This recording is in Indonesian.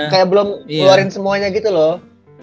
kayak belum keluarin semuanya gitu loh